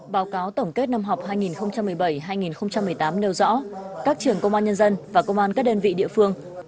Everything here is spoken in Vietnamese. báo cáo tổng kết năm học hai nghìn một mươi bảy hai nghìn một mươi tám nêu rõ các trường công an nhân dân và công an các đơn vị địa phương